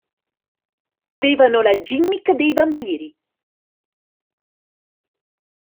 Avevano la "gimmick" dei vampiri.